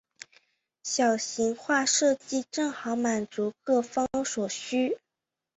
小型化设计正好满足各方所需。